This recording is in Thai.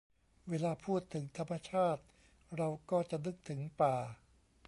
เวลาพูดถึงธรรมชาติเราก็จะนึกถึงป่า